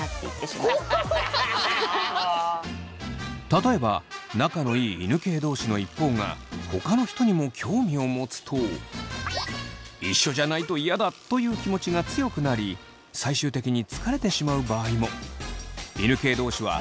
例えば仲のいい犬系同士の一方がほかの人にも興味を持つと一緒じゃないとイヤだという気持ちが強くなり最終的に疲れてしまう場合も。